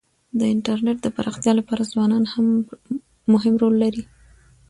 د انټرنيټ د پراختیا لپاره ځوانان مهم رول لري.